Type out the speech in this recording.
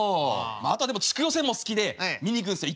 あとは地区予選も好きで見に行くんですよ